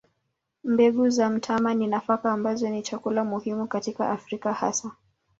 Mbegu za mtama ni nafaka ambazo ni chakula muhimu katika Afrika hasa.